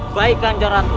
baik kanjeng ratu